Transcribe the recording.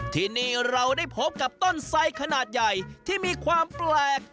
ที่นี่เราได้พบกับต้นไส้ขนาดใหญ่ที่มีความแปลก